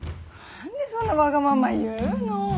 何でそんなわがまま言うの。